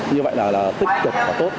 như vậy là tích cực và tốt